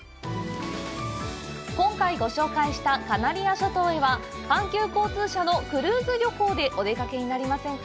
今回ご紹介したカナリア諸島へは阪急交通社のクルーズ旅行でお出かけになりませんか？